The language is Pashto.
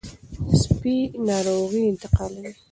سپي ناروغي انتقالوي.